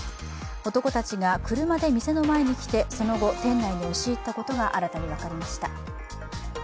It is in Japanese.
男たちが車で店の前に来てその後、店内に押し入ったことが新たに分かりました。